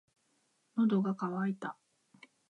喉が渇いた。